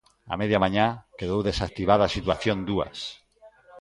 A media mañá, quedou desactivada a situación dúas.